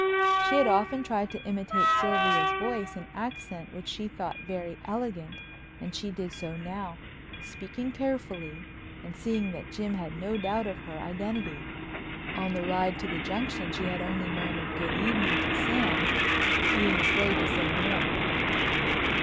She had often tried to imitate Sylvia's voice and accent which she thought very elegant, and she did so now, speaking carefully and seeing that Jim had no doubt of her identity. On the ride to the Junction she had only murmured "Good evening" to Sands, being afraid to say more.